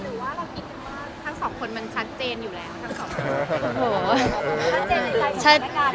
หรือว่ารักอีกครั้งงี้พี่คุณบ้านทั้งสองคนมันชัดเจนอยู่แหละ